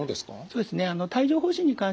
そうですね。